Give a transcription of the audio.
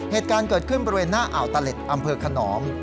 เหตุการณ์เกิดขึ้นบริเวณหน้าอ่าวตเล็ดอำเภอขนอม